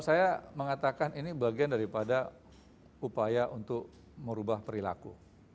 saya mengatakan ini bagian daripada upaya untuk merubah perilaku